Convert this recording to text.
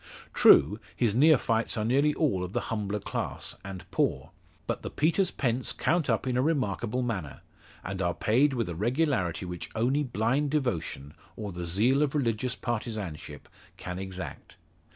True, his neophytes are nearly all of the humbler class, and poor. But the Peter's pence count up in a remarkable manner, and are paid with a regularity which only blind devotion, or the zeal of religious partisanship, can exact.